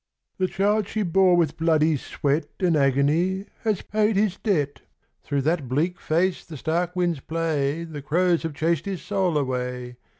' The child she bore with bloody sweat And agony has paid his debt. Through that bleak face the stark wind crows have chased his soul away.